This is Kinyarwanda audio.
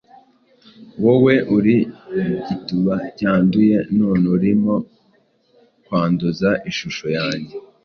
Wowe uri igituba cyanduye, none urimo kwanduza ishusho yanjye